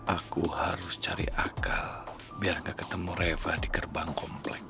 aku harus cari akal biar gak ketemu reva di gerbang komplek